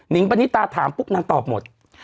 งปณิตาถามปุ๊บนางตอบหมด